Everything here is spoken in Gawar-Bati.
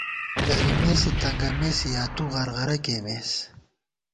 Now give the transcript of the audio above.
درَمېسے ، تنگَمېسے یا تُو غرغرہ کېئیمېس